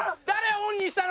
オンにしたの。